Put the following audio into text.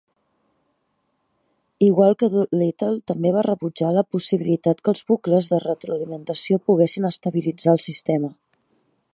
Igual que Doolittle, també va rebutjar la possibilitat que els bucles de retroalimentació poguessin estabilitzar el sistema.